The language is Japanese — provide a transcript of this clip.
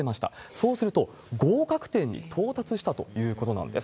そうすると合格点に到達したということなんです。